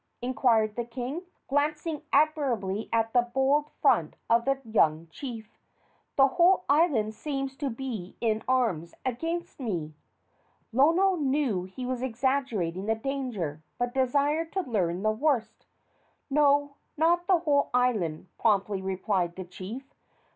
inquired the king, glancing admiringly at the bold front of the young chief. "The whole island seems to be in arms against me." Lono knew he was exaggerating the danger, but desired to learn the worst. "No, not the whole island," promptly replied the chief.